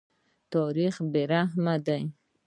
تاریخ بې رحمه دی.